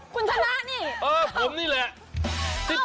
คุณชนะนี่